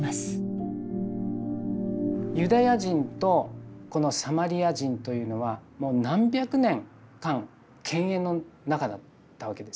ユダヤ人とこのサマリア人というのはもう何百年間犬猿の仲だったわけです。